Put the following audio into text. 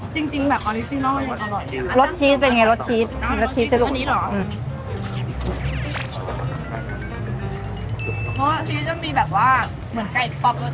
จริงกดรสชีสเป็นไงรสชีสรสชีสด้วย